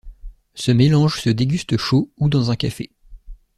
Ce mélange se déguste chaud ou dans un café.